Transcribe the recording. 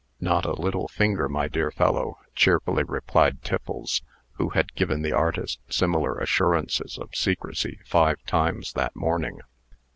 "Not a little finger, my dear fellow," cheerfully replied Tiffles, who had given the artist similar assurances of secrecy five times that morning.